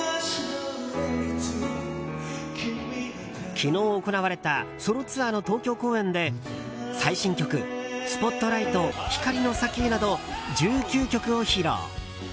昨日行われたソロツアーの東京公演で最新曲「Ｓｐｏｔｌｉｇｈｔ光の先へ」など１９曲を披露。